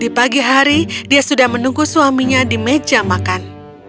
di pagi hari dia sudah menunggu suaminya di meja makan